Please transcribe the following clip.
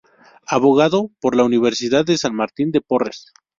Abogado por la Universidad de San Martín de Porres.